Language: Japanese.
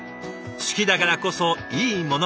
好きだからこそいいものを。